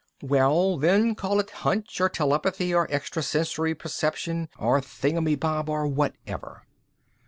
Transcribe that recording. "Well, then, call it hunch or telepathy or extra sensory perception or thingummybob or whatever.